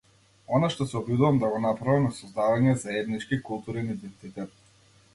Она што се обидувам да го направам е создавање заеднички културен идентитет.